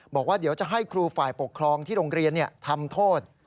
บอกว่าเดี๋ยวจะให้ครูฝ่ายปกครองที่โรงเรียนทำโทษ